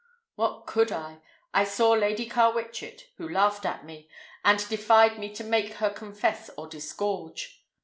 "What could I? I saw Lady Carwitchet, who laughed at me, and defied me to make her confess or disgorge.